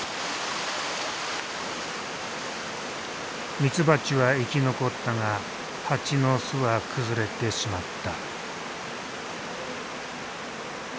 ミツバチは生き残ったがハチの巣は崩れてしまった。